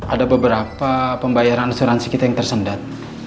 ada beberapa pembayaran asuransi kita yang tersendat